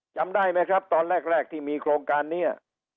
จำได้ไหมครับตอนแรกที่มีโครงการนี้